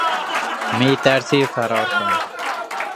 میترسی فرار کند؟